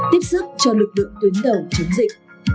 tiếp sức cho lực lượng tuyến đầu chống dịch